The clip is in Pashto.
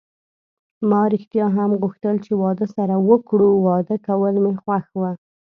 ما ریښتیا هم غوښتل چې واده سره وکړو، واده کول مې خوښ و.